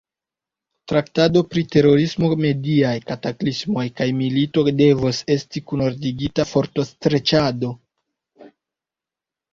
Traktado pri terorismo, mediaj kataklismoj kaj milito devos esti kunordigita fortostreĉado.